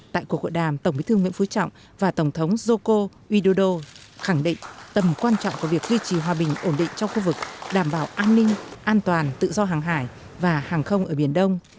tại cuộc hội đàm tổng bí thư nguyễn phú trọng và tổng thống joko widodo khẳng định tầm quan trọng của việc duy trì hòa bình ổn định trong khu vực đảm bảo an ninh an toàn tự do hàng hải và hàng không ở biển đông